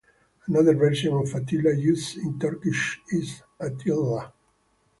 Another version of Attila used in Turkish is Atilla.